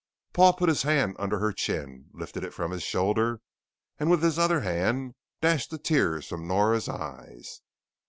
Paul put his hand under her chin, lifted it from his shoulder and with his other hand dashed the tears from Nora's eyes.